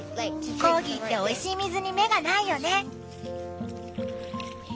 コーギーっておいしい水に目がないよね。